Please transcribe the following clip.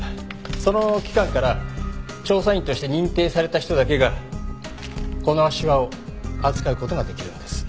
その機関から調査員として認定された人だけがこの足環を扱う事ができるんです。